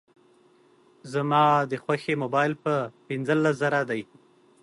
زما د خوښي موبایل په پینځلس زره دی